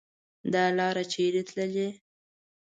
دا لار چیري تللي